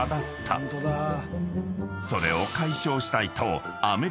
［それを解消したいと］